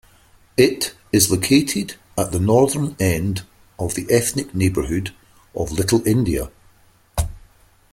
It is located at the northern end of the ethnic neighbourhood of Little India.